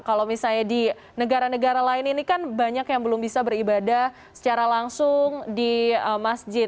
kalau misalnya di negara negara lain ini kan banyak yang belum bisa beribadah secara langsung di masjid